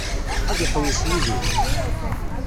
Ad iḥewwes yid-i?